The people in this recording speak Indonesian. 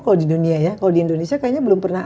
kalau di dunia ya kalau di indonesia kayaknya belum pernah